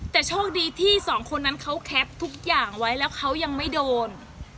แต่โชคดีที่สองคนนั้นเขาแคปทุกอย่างไว้แล้วเขายังไม่โดน